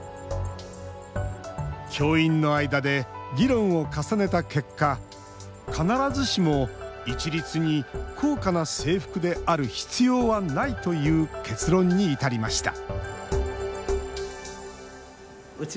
教員の間で議論を重ねた結果必ずしも一律に高価な制服である必要はないという結論に至りました